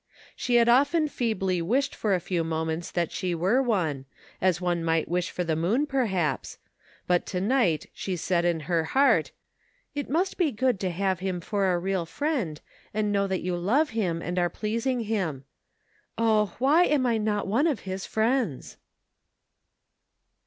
She had often feebly wished for a few moments that she were one, as one might wish for the moon perhaps, but to night she said in her heart: ''It must be good to have him for a real friend, and know that you love him and are pleasing him. Oh ! why am I not one of his friends